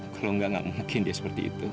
kalau enggak gak mungkin dia seperti itu